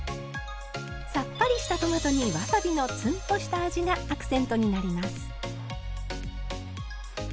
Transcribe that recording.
さっぱりしたトマトにわさびのツンとした味がアクセントになります。